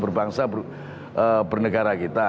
berbangsa bernegara kita